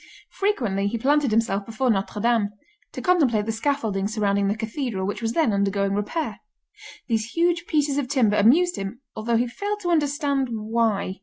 Frequently he planted himself before Notre Dame, to contemplate the scaffolding surrounding the cathedral which was then undergoing repair. These huge pieces of timber amused him although he failed to understand why.